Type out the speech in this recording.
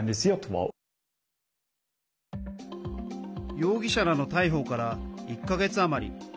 容疑者らの逮捕から１か月余り。